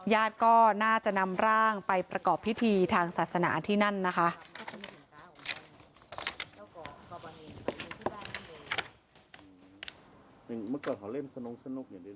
ญาติก็น่าจะนำร่างไปประกอบพิธีทางศาสนาที่นั่นนะคะ